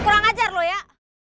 kurang ajar lo ya